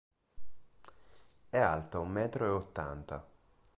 È alta un metro e ottanta.